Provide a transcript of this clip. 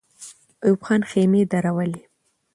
ایوب خان خېمې درولې.